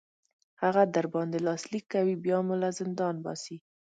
هغه در باندې لاسلیک کوي بیا مو له زندان باسي.